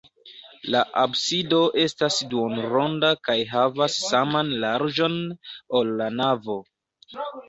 La absido estas duonronda kaj havas saman larĝon, ol la navo.